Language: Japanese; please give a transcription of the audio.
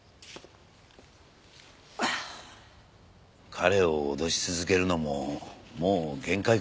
彼を脅し続けるのももう限界かもしれない。